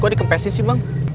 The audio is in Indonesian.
kok dikepesin sih bang